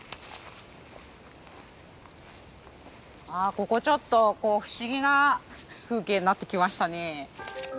ここちょっと不思議な風景になってきましたね。